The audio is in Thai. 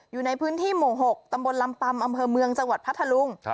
อยู่ในพื้นที่หมวงหกตำบลำปัมอำเภอเมืองสวรรค์พระธรุง